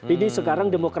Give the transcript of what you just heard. ini sekarang demokrasi